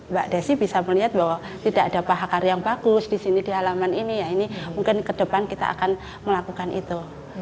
mbak desi bisa melihat bahwa tidak ada pahakar yang bagus di sini di halaman ini ya ini mungkin ke depan kita akan melakukan itu